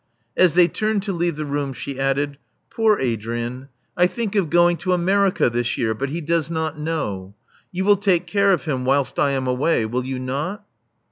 As they turned to leave the room, she added, Poor Adrian! I think of going to America this year; but he does not know. You will take care of him whilst I am away, will you not?"